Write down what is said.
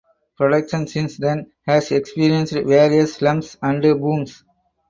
Production since then has experienced various slumps and booms.